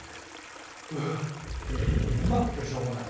うっうまくてしょうがない。